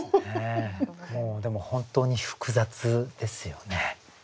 でも本当に複雑ですよね。